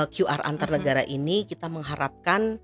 qr antar negara ini kita mengharapkan